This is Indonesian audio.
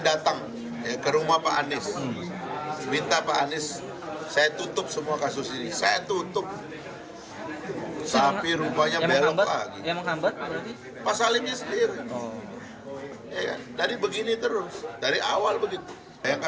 dari begini terus dari awal begitu